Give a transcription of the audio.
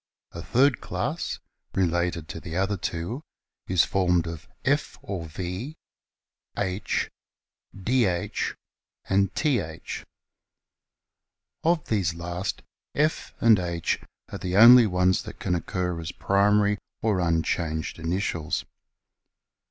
A third class, related to the other two, is formed of F or V t H, Dh, and Th. Of these last F and H are the only ones that can occur as primary or unchanged initials.